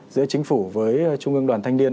giữa chính phủ với trung ương đoàn thanh niên